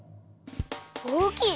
おおきい！